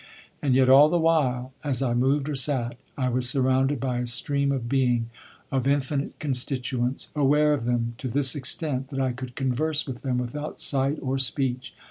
And yet all the while, as I moved or sat, I was surrounded by a stream of being, of infinite constituents, aware of them to this extent that I could converse with them without sight or speech.